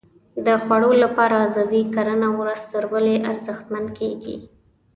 د خوړو لپاره عضوي کرنه ورځ تر بلې ارزښتمنه کېږي.